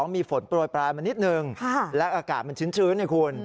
มีฝนโปรยปลายมานิดนึงและอากาศมันชื้นไงคุณ